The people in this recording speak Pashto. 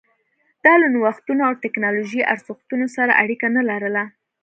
دا له نوښتونو او ټکنالوژۍ ارزښتونو سره اړیکه نه لرله